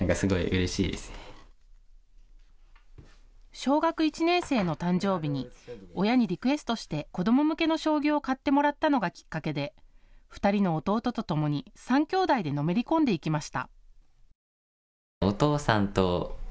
小学１年生の誕生日に親にリクエストして子ども向けの将棋を買ってもらったのがきっかけで２人の弟とともに３兄弟でのめり込んでいきました。